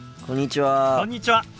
こんにちは。